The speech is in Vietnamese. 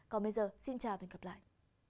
còn bây giờ xin chào và hẹn gặp lại